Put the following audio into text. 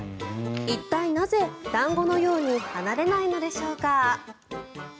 一体なぜ、団子のように離れないのでしょうか。